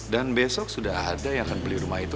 dan besok sudah ada yang akan beli rumah itu